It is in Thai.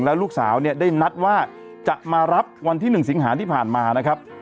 แล้วลูกสาวเนี่ยได้นัดว่าจะมารับวันที่๑สิงหาที่ผ่านมานะครับ